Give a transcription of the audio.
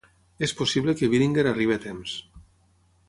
És possible que Billinger arribi a temps.